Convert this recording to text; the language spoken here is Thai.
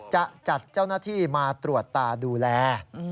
จะจัดเจ้าหน้าที่มาตรวจตาดูแล